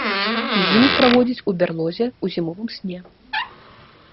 Зіму праводзіць у бярлозе ў зімовым сне.